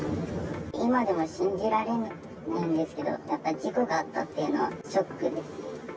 今でも信じられないんですけど、事故があったっていうのはショックです。